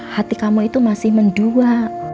hati kamu itu masih mendua